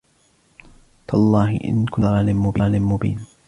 تالله إن كنا لفي ضلال مبين